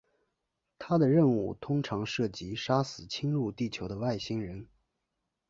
他的任务通常涉及杀死侵入地球的外星人。